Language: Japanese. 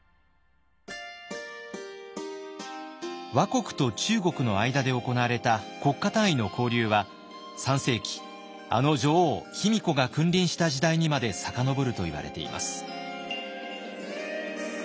倭国と中国の間で行われた国家単位の交流は３世紀あの女王卑弥呼が君臨した時代にまで遡るといわれています。